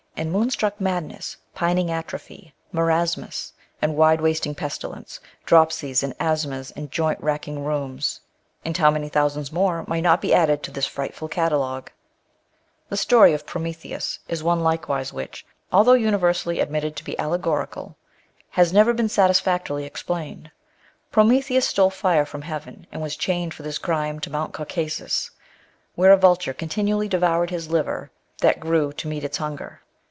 And moon struck madness, pining atrophy. Marasmus, and wide wasting pestilence, Dropsies, and asthmas, and joint racking rheums. And how many thousands more might not be added to this frightful catalogue ! The story of Prometheus is one likewise which, although universally admitted to be allegorical, has never been satis factorily explained. Prometheus stole fire from heaven, and was chained for this crime to Mount Caucasus, where a vulture continually devoured his liver, that grew to meet its hunger.